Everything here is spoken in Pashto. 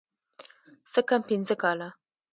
څه کم پينځه کاله.